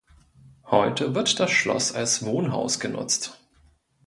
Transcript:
Heute wird das Schloss als Wohnhaus genutzt.